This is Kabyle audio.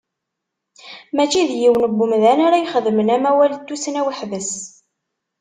Mačči d yiwen n wemdan ara ixedmen amawal n tussna weḥd-s.